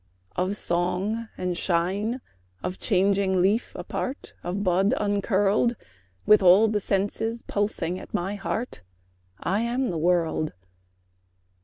Of song and shine, of changing leaf apart, Of bud uncurled: With all the senses pulsing at my heart, I am the world.